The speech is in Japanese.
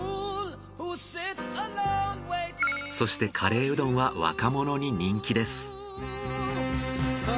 そしてカレーうどんは若者に人気です。